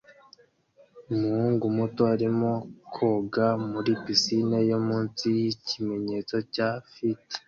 Umuhungu muto arimo koga muri pisine yo munsi yikimenyetso cya ft